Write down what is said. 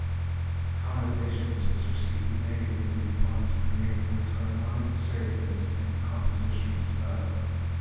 "Connotations" was received negatively upon its premiere for its harmonic assertiveness and compositional style.